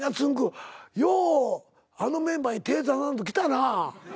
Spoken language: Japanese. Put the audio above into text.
ようあのメンバーに手出さんときたな。